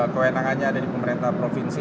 kewenangannya ada di pemerintah provinsi